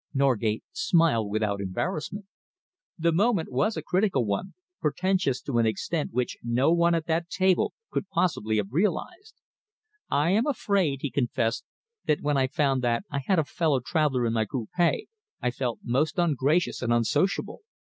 Norgate smiled without embarrassment. The moment was a critical one, portentous to an extent which no one at that table could possibly have realised. "I am afraid," he confessed, "that when I found that I had a fellow traveller in my coupe I felt most ungracious and unsociable.